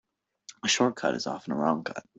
A short cut is often a wrong cut.